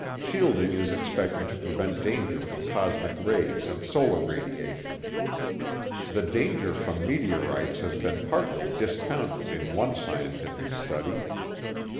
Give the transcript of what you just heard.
Shielding is expected to prevent danger from cosmic rays and solar radiation. The danger from meteorites has been partly discounted in one scientific study.